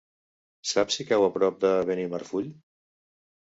Saps si cau a prop de Benimarfull?